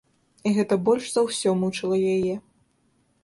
І гэта больш за ўсё мучыла яе.